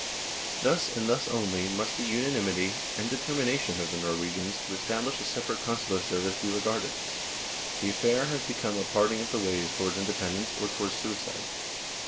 Thus, and thus only, must the unanimity and deter mination of the Norwegians to establish a separate Consular service be regarded ; the affair has be come a parting of the ways towards independence or towards suicide.